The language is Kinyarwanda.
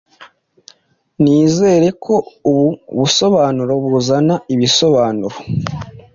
Nizera ko ubu busobanuro buzana ibisobanuro